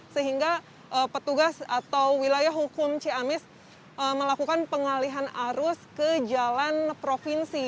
sehingga petugas atau wilayah hukum ciamis melakukan pengalihan arus ke jalan provinsi